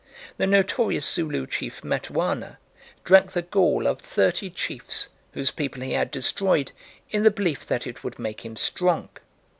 The notorious Zulu chief Matuana drank the gall of thirty chiefs, whose people he had destroyed, in the belief that it would make him strong.